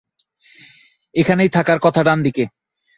এখানেই থাকার কথা ডানদিকে।